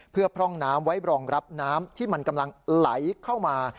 เพื่อพร่องน้ำไว้รองรับน้ำที่มันกำลังไหลเข้ามา